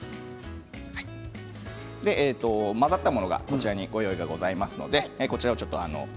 混ざったものがこちらにご用意がございます。